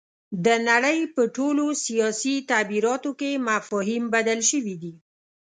د نړۍ په ټولو سیاسي تعبیراتو کې مفاهیم بدل شوي دي.